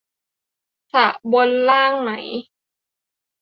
สระบนล่างไหม ?